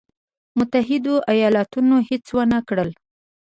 متحدو ایالتونو هېڅ ونه کړل.